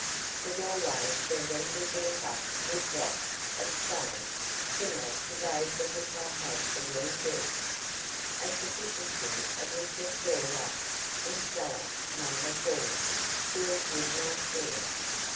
The doorway shall then be built up with blocks of stone similar to those of which I had the room built, a sufficiency of which are stored up in cellar Number 4, sealed with my seal.